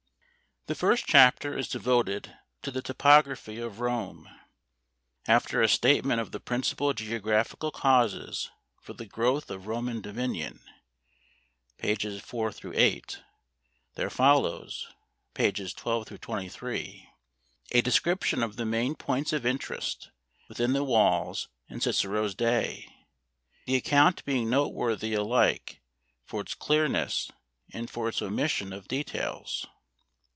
The first chapter is devoted to the topography of Rome. After a statement of the principal geographical causes for the growth of Roman dominion (pp. 4 8), there follows (pp. 12 23) a description of the main points of interest within the walls in Cicero's day, the account being noteworthy alike for its clearness and for its omission of details.